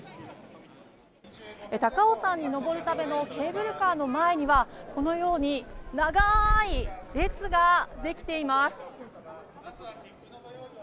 高尾山に登るためのケーブルカーの前にはこのように長い列ができています。